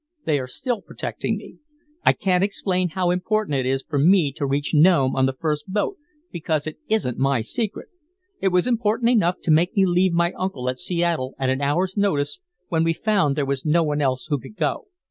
They are still protecting me. I can't explain how important it is for me to reach Nome on the first boat, because it isn't my secret. It was important enough to make me leave my uncle at Seattle at an hour's notice when we found there was no one else who could go.